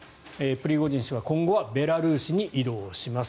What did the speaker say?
プリゴジン氏は今後はベラルーシに移動します。